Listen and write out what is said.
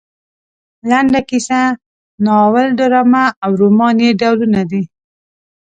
لنډه کیسه ناول ډرامه او رومان یې ډولونه دي.